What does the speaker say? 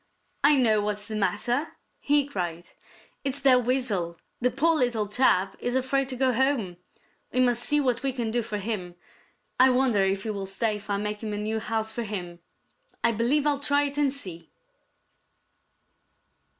"I know what's the matter!" he cried. "It's that Weasel. The poor little chap is afraid to go home. We must see what we can do for him. I wonder if he will stay if I make a new house for him. I believe I'll try it and see."